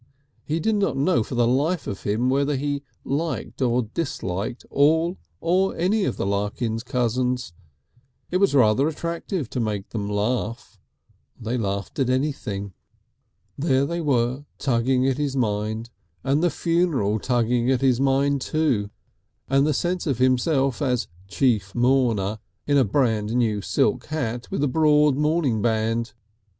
He did not know for the life of him whether he liked or disliked all or any of the Larkins cousins. It was rather attractive to make them laugh; they laughed at anything. There they were tugging at his mind, and the funeral tugging at his mind, too, and the sense of himself as Chief Mourner in a brand new silk hat with a broad mourning band.